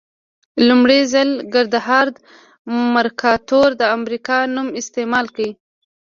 لومړي ځل ګردهارد مرکاتور د امریکا نوم استعمال کړ.